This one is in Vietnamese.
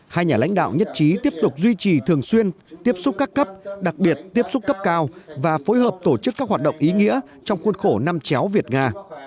hai nhà lãnh đạo nhất trí tiếp tục duy trì thường xuyên tiếp xúc các cấp đặc biệt tiếp xúc cấp cao và phối hợp tổ chức các hoạt động ý nghĩa trong khuôn khổ năm chéo việt nga